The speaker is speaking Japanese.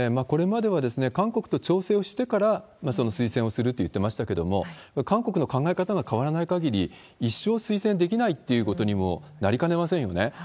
これまでは韓国と調整をしてから、その推薦をすると言っていましたけれども、韓国の考え方が変わらない限り、一生推薦できないってことにもなりかねませんよね。